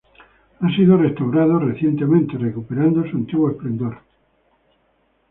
Ha sido restaurado recientemente, recuperando su antiguo esplendor.